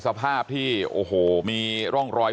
บอกแล้วบอกแล้วบอกแล้ว